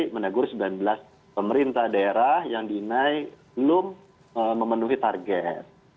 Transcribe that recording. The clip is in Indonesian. menegur sembilan belas pemerintah daerah yang dinaik belum memenuhi target